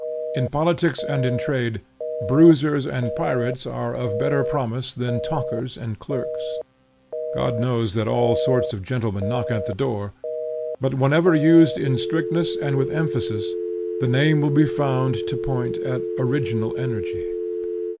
In politics and in trade, bruisers and pirates are of better promise than talkers and clerks. God knows that all sorts of gentlemen knock at the door; but whenever used in strictness and with any emphasis, the name will be found to point at original energy.